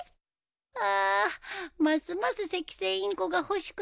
あますますセキセイインコが欲しくなるね。